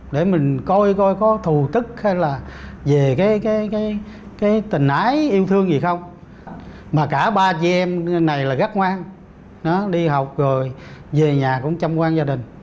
để mình coi coi có thù tức hay là về cái tình ái yêu thương gì không mà cả ba chị em này là gắt ngoan nó đi học rồi về nhà cũng chăm quan gia đình